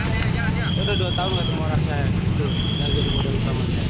udah dua tahun nggak temuan orang saya